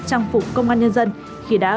trang phục công an nhân dân khi đã